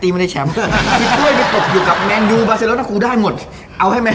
วาบใจไอ้เบน